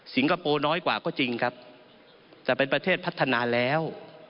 คโปร์น้อยกว่าก็จริงครับแต่เป็นประเทศพัฒนาแล้ว